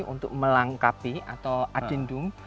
untuk melangkapi atau adendum